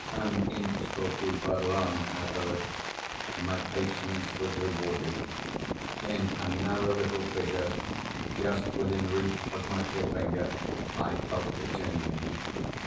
An inch or two further on, however, my patience was rewarded. In a narrow little fissure, just within reach of my forefinger, I felt the chain.